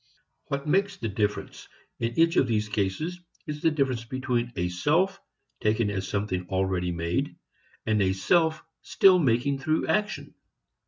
What makes the difference in each of these cases is the difference between a self taken as something already made and a self still making through action.